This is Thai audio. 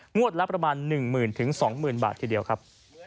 งวดรับประมาณ๑๐๐๐๐ถึง๒๐๐๐๐บาททีเดียวครับ